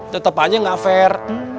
tetep aja nggak fair